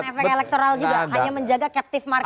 tidak memberikan efek elektoral juga hanya menjaga captive market